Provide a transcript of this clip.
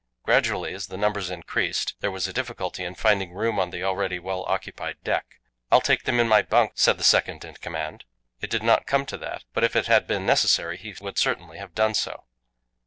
Gradually, as the numbers increased, there was a difficulty in finding room on the already well occupied deck. "I'll take them in my bunk," said the second in command. It did not come to that, but if it had been necessary he would certainly have done so.